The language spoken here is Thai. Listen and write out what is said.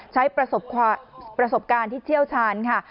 ใช้ประสบการณ์ที่เชี่ยวชาญค่ะ